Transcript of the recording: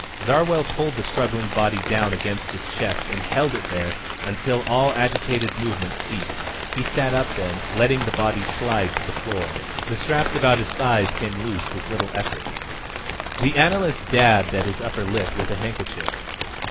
Zarwell pulled the struggling body down against his chest and held it there until all agitated movement ceased. He sat up then, letting the body slide to the floor. The straps about his thighs came loose with little effort. The analyst dabbed at his upper lip with a handkerchief.